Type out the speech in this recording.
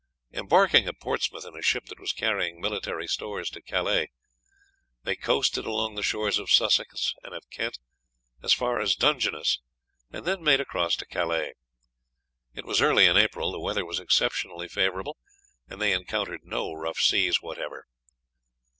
Embarking at Portsmouth in a ship that was carrying military stores to Calais, they coasted along the shores of Sussex and of Kent as far as Dungeness, and then made across to Calais. It was early in April, the weather was exceptionally favourable, and they encountered no rough seas whatever.